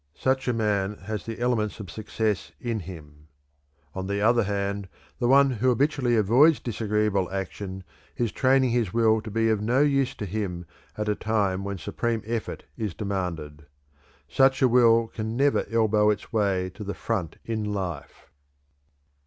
Such a man has the elements of success in him. On the other hand, the one who habitually avoids disagreeable action is training his will to be of no use to him at a time when supreme effort is demanded. Such a will can never elbow its way to the front in life."